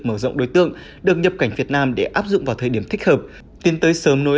mở rộng đối tượng được nhập cảnh việt nam để áp dụng vào thời điểm thích hợp tiến tới sớm nối